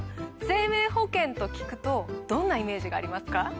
生命保険と聞くとどんなイメージがありますか？